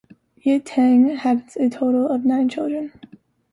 Ye Ting had a total of nine children.